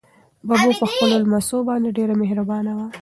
ببو په خپلو لمسو باندې ډېره مهربانه وه.